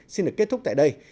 xin được kết thúc tại đây